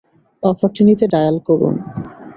অফারটি নিতে ডায়াল করুন।